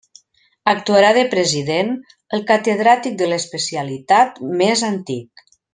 Actuarà de president el catedràtic de l'especialitat més antic.